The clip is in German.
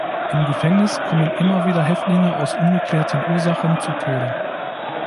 Im Gefängnis kommen immer wieder Häftlinge aus ungeklärten Ursachen zu Tode.